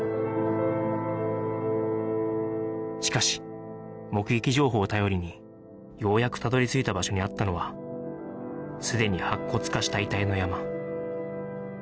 しかし目撃情報を頼りにようやくたどり着いた場所にあったのはすでに白骨化した遺体の山